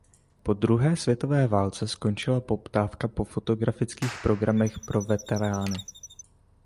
Po druhé světové válce skončila poptávka po fotografických programech pro veterány.